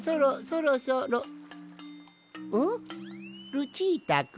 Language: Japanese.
ルチータくん？